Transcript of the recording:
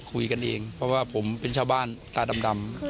คุยกันเองเพราะว่าผมเป็นชาวบ้านตาดำ